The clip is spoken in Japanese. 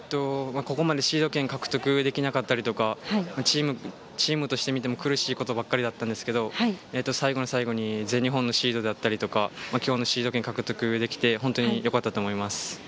ここまでシード権を獲得できなかったりとか、チームとしても苦しいことばかりだったんですけれど、最後の最後に全日本のシードや今日のシード権を獲得できてよかったと思います。